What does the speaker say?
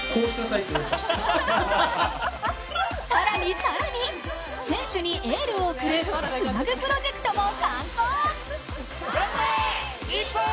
更に、更に、選手にエールを送るツナグプロジェクトも敢行。